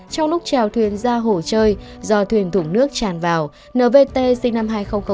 trong lúc trèo thuyền ra hồ chơi do thuyền thủng nước tràn vào nvt sinh năm hai nghìn một